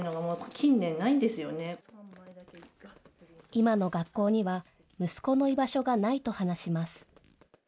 今の学校には息子の居場所がないと話します。